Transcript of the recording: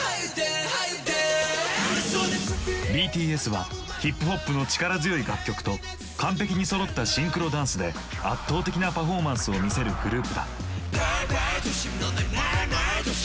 ＢＴＳはヒップホップの力強い楽曲と完璧にそろったシンクロダンスで圧倒的なパフォーマンスをみせるグループだ。